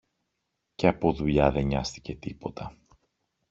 και από δουλειά δε νοιάστηκε τίποτα